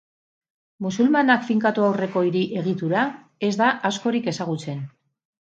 Musulmanak finkatu aurreko hiri egitura ez da askorik ezagutzen.